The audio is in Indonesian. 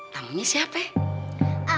tamunya siapa ya